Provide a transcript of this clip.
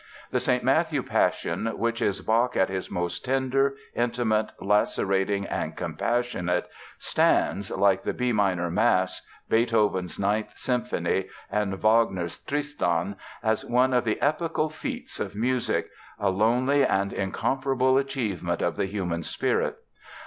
The St. Matthew Passion, which is Bach at his most tender, intimate, lacerating and compassionate, stands, like the B minor Mass, Beethoven's Ninth Symphony and Wagner's Tristan, as one of the epochal feats of music, a lonely and incomparable achievement of the human spirit.